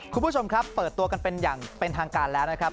คุณผู้ชมครับเปิดตัวกันเป็นอย่างเป็นทางการแล้วนะครับ